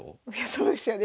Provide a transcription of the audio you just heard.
そうですよね。